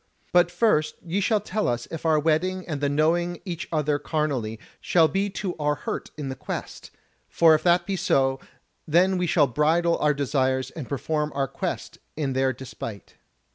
But first ye shall tell us if our wedding and the knowing each other carnally shall be to our hurt in the Quest; for if that be so, then shall we bridle our desires and perform our Quest in their despite."